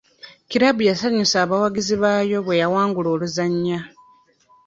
Kiraabu yasanyusa abawagizi baayo bwe yawangula oluzannya.